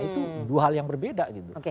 itu dua hal yang berbeda gitu